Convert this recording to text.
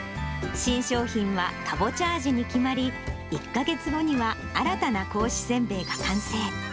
新商品はかぼちゃ味に決まり、１か月後には新たな格子せんべいが完成。